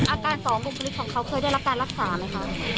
อาการสองบุคลิกของเขาเคยได้รับการรักษาไหมคะ